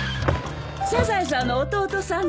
サザエさんの弟さんね？